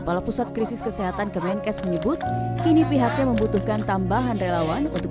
kepala pusat krisis kesehatan kemenkes menyebut kini pihaknya membutuhkan tambahan relawan untuk